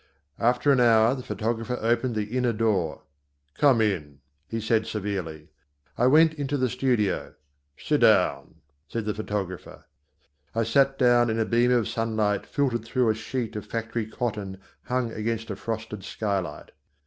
After an hour the photographer opened the inner door. "Come in," he said severely. I went into the studio. "Sit down," said the photographer. I sat down in a beam of sunlight filtered through a sheet of factory cotton hung against a frosted skylight.